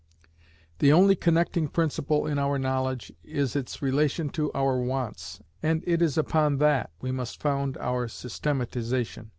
The only connecting principle in our knowledge is its relation to our wants, and it is upon that we must found our systematization.